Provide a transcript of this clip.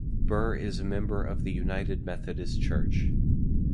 Burr is a member of the United Methodist Church.